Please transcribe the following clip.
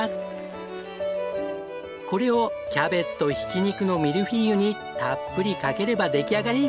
これをキャベツとひき肉のミルフィーユにたっぷりかければ出来上がり。